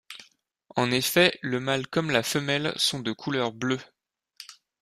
En effet le mâle comme la femelle sont de couleur bleue.